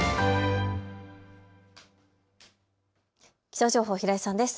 気象情報、平井さんです。